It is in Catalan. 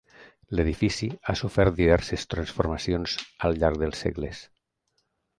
L'edifici ha sofert diverses transformacions al llarg dels segles.